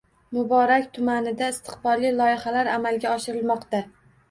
Muborak tumanida istiqbolli loyihalar amalga oshirilmoqda